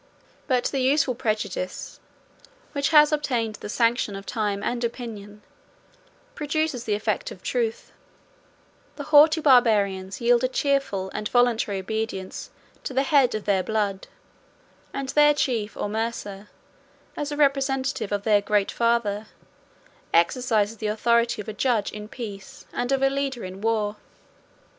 But the useful prejudice, which has obtained the sanction of time and opinion, produces the effects of truth; the haughty Barbarians yield a cheerful and voluntary obedience to the head of their blood; and their chief, or mursa, as the representative of their great father, exercises the authority of a judge in peace, and of a leader in war.